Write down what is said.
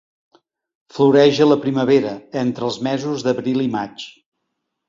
Floreix a la primavera, entre els mesos d'abril i maig.